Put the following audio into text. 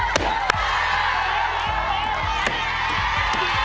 ไปแล้ว